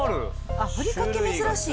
ふりかけ珍しい。